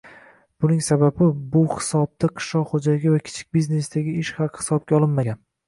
Buning sababi, bu hisobda qishloq xo'jaligi va kichik biznesdagi ish haqi hisobga olinmagan